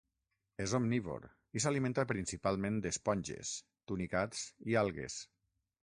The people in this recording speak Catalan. És omnívor, i s'alimenta principalment d'esponges, tunicats i algues.